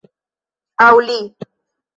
Aŭ li